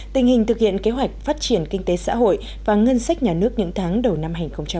tình hình thực hiện kế hoạch phát triển kinh tế xã hội và ngân sách nhà nước những tháng đầu năm hai nghìn một mươi chín